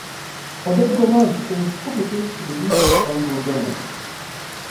Oded Golan claimed publicly to believe his finds were genuine.